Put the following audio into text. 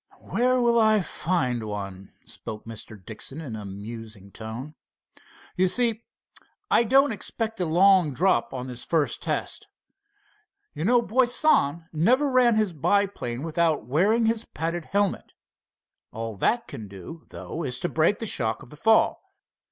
"Where will I find one?" spoke Mr. Dixon in a musing tone. "You see, I don't expect a long drop on the first test. You know Boisan never ran his biplane without wearing his padded helmet. All that can do, though, is to break the shock of a fall.